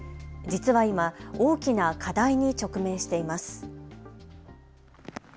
実は今、大きな課題に直面しています。